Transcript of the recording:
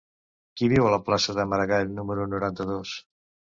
Qui viu a la plaça de Maragall número noranta-dos?